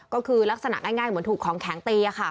ก็คือลักษณะง่ายเหมือนถูกของแข็งตีค่ะ